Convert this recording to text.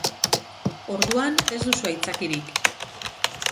Orduan, ez duzu aitzakirik.